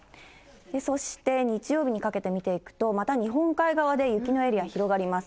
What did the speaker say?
そして、日曜日にかけて見ていくと、また日本海側で雪のエリア広がります。